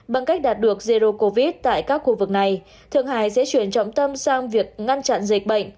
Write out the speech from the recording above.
bằng cách đạt được zero covid tại các khu vực này thượng hải sẽ chuyển trọng tâm sang việc ngăn chặn dịch bệnh